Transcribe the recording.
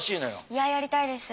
いややりたいです。